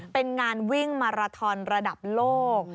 เป็นงานวิ่งมาราทอนระดับโลก